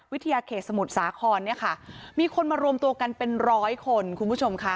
เขตสมุทรสาครเนี่ยค่ะมีคนมารวมตัวกันเป็นร้อยคนคุณผู้ชมค่ะ